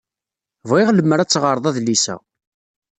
Bɣiɣ lemmer ad teɣred adlis-a.